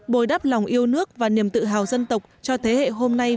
bồi đắp lòng yêu nước và niềm tự hào dân tộc cho thế hệ hôm nay